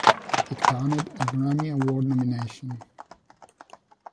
It garnered a Grammy Award nomination.